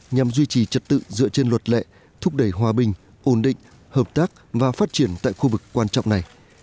nhằm duy trì trật tự dựa trên luật lệ thúc đẩy hòa bình ổn định hợp tác và phát triển tại khu vực quan trọng này